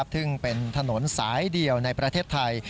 ซึ่งเป็นถนนสายเดียวในประเทศไทย